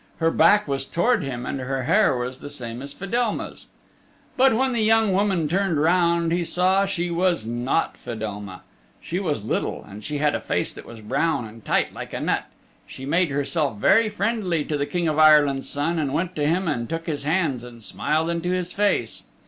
Her back was towards him and her hair was the same as Fedelma's. But when the young woman turned round he saw she was not Fedelma. She was little, and she had a face that was brown and tight like a nut. She made herself very friendly to the King of Ireland's Son and went to him and took his hands and smiled into his face.